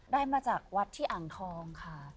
ได้มาจากวัดที่อ่างทองค่ะ